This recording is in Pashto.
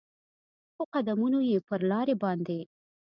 خو قدمونو یې پر لارې باندې